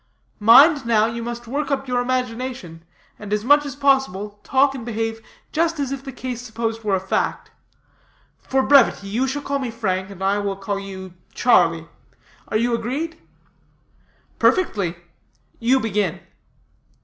Mind, now, you must work up your imagination, and, as much as possible, talk and behave just as if the case supposed were a fact. For brevity, you shall call me Frank, and I will call you Charlie. Are you agreed?" "Perfectly. You begin."